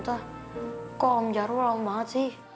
tante kok om jarwo lama banget sih